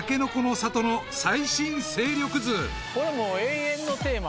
これもう永遠のテーマ。